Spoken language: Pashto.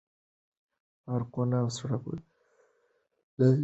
پارکونه او سړکونه لاندې کوي.